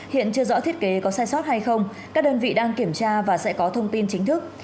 hiện chưa rõ thiết kế có sai sót hay không các đơn vị đang kiểm tra và sẽ có thông tin chính thức